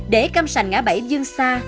để cam sành ngã bẫy dương xa